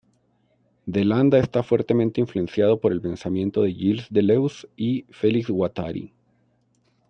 De Landa está fuertemente influenciado por el pensamiento de Gilles Deleuze y Felix Guattari.